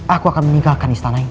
aku akan meninggalkan istana ini